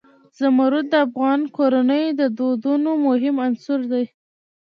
زمرد د افغان کورنیو د دودونو مهم عنصر دی.